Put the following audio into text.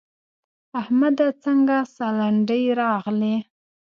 احمده څنګه سالنډی راغلې؟!